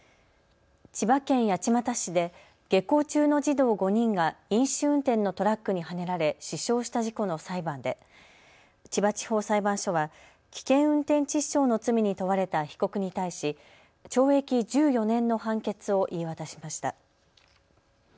千葉県八街市で下校中の児童５人が飲酒運転のトラックにはねられ死傷した事故の裁判で千葉地方裁判所は危険運転致死傷の罪に問われた被告に対し懲役１４年の判決を言い渡しました。